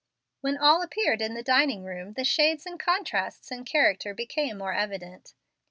When all appeared in the dining room the shades and contrasts in character became more evident.